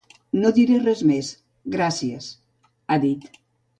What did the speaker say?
No diré res més, gràcies, ha dit.